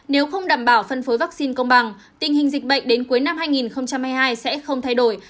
nếu không đảm bảo phân phối vaccine công bằng tình hình dịch bệnh đến cuối năm hai nghìn hai mươi hai sẽ không thay đổi